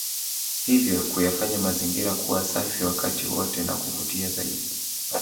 Hivyo kuyafanya mazingira kuwa safi wakati wote na kuvutia zaidi